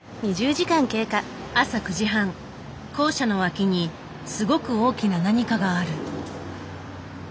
朝９時半校舎の脇にすごく大きな何かがある。